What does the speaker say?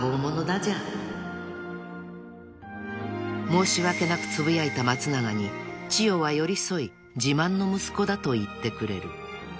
［申し訳なくつぶやいた松永にちよは寄り添い自慢の息子だと言ってくれる］